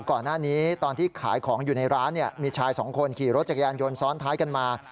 ก่อนหน้านี้ตอนที่ขายของอยู่ในร้านมีชายสองคนขี่รถจักรยานยนต์ซ้อนท้ายกันมา